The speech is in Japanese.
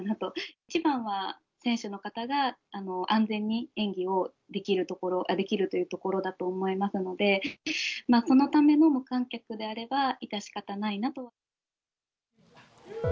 一番は選手の方が安全に演技をできるというところだと思いますので、そのための無観客であれば、致し方ないなと。